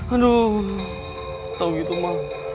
aduh tau gitu ma